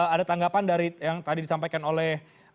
ada tanggapan dari yang tadi disampaikan oleh